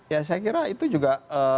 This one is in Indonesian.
ya saya kira itu juga